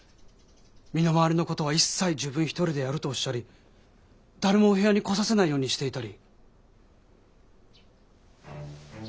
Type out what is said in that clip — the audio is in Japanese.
身の回りのことは一切自分一人でやるとおっしゃり誰もお部屋に来させないようにしていたり。